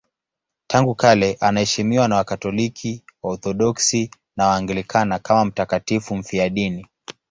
Tangu kale anaheshimiwa na Wakatoliki, Waorthodoksi na Waanglikana kama mtakatifu mfiadini.